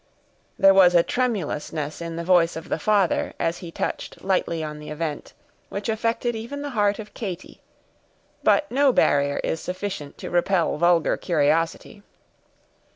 There was a tremulousness in the voice of the father, as he touched lightly on the event, which affected even the heart of Katy; but no barrier is sufficient to repel vulgar curiosity.